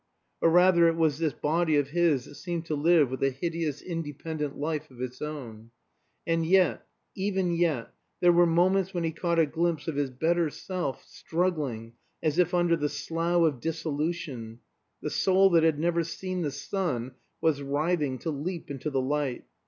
Or rather it was this body of his that seemed to live with a hideous independent life of its own. And yet, even yet, there were moments when he caught a glimpse of his better self struggling as if under the slough of dissolution; the soul that had never seen the sun was writhing to leap into the light.